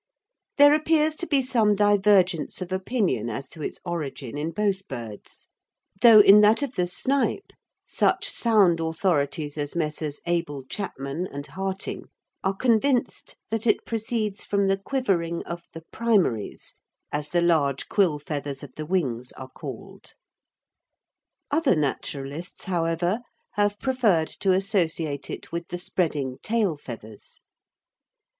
There appears to be some divergence of opinion as to its origin in both birds, though in that of the snipe such sound authorities as Messrs. Abel Chapman and Harting are convinced that it proceeds from the quivering of the primaries, as the large quill feathers of the wings are called. Other naturalists, however, have preferred to associate it with the spreading tail feathers.